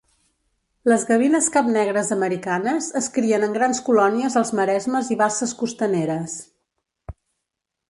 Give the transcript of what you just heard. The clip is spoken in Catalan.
Les gavines capnegres americanes es crien en grans colònies als maresmes i basses costaneres.